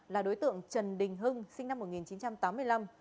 là đối tượng trần đình hưng sinh năm một nghìn chín trăm tám mươi năm